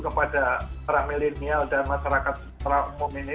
kepada para milenial dan masyarakat secara umum ini